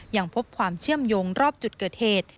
ยังพบความเชื่อมโยงรอบจุดเกิดเหตุ